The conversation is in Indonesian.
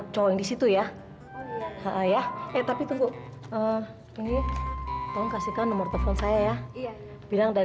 tidak peduli kamu mau minum